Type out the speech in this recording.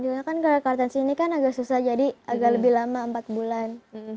soalnya kan kalau kartens ini kan agak susah jadi agak lebih lama empat bulan